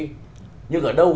nhưng ở đâu chúng ta có thể nói là